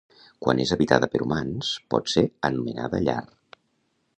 Quan és habitada per humans, pot ser anomenada llar.